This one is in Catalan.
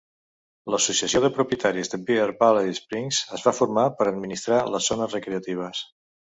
L'associació de propietaris de Bear Valley Springs es va formar per administrar les zones recreatives.